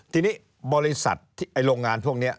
ทีนี้บริษัทโรงงานพวกนี้